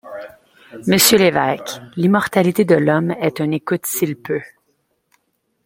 Monsieur l’évêque, l’immortalité de l’homme est un écoute-s’il-pleut.